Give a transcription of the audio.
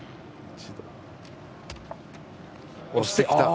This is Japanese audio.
押してきた。